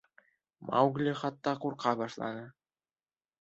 Маугли хатта ҡурҡа башланы.